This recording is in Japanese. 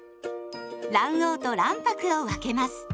卵黄と卵白を分けます。